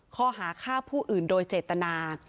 ข้อหาฆ่าผู้อื่นโดยเจตนา